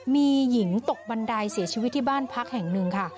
มีหญิงตกบันไดเสียชีวิตที่บ้านพักแห่งหนึ่งค่ะ